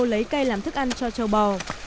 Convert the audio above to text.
lấy cây làm thức ăn cho châu bò